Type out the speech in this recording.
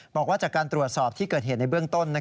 บอกว่าจากการตรวจสอบที่เกิดเหตุในเบื้องต้น